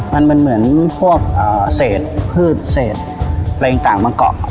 มันเหมือนพวกเศษพืชเศษอะไรอย่างต่างมาเกาะ